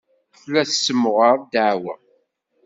Tella tessemɣar ddeɛwa.